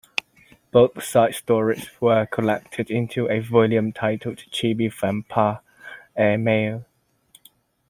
Both side stories were collected into a volume titled "Chibi Vampire: Airmail".